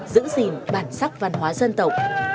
giữ gìn bản sắc văn hóa dân tộc